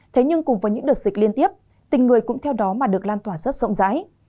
thế nhưng cùng với những đợt dịch liên tiếp tình người cũng theo đó mà được lan tỏa rất rộng rãi